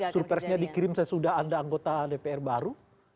suruh presnya dikirim sesudah anda anggota dpr baru